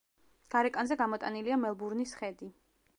გარეკანზე გამოტანილია მელბურნის ხედი.